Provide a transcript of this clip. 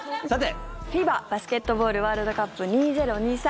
ＦＩＢＡバスケットボールワールドカップ２０２３